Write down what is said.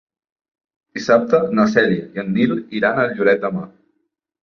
Dissabte na Cèlia i en Nil iran a Lloret de Mar.